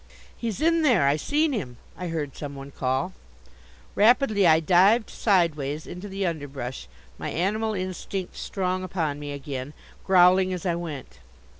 "He's in there. I seen him!" I heard some one call. Rapidly I dived sideways into the underbrush, my animal instinct strong upon me again, growling as I went.